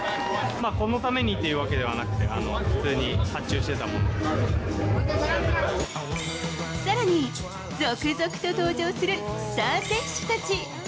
このためにっていうわけではなくて、さらに、続々と登場するスター選手たち。